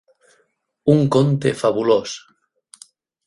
Un conte fabulós